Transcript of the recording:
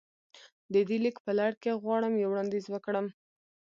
د دې ليک په لړ کې غواړم يو وړانديز وکړم.